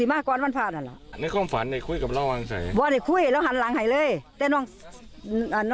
มิถุกลมหนาว่ะสัน